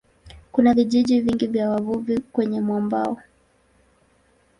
Kuna vijiji vingi vya wavuvi kwenye mwambao.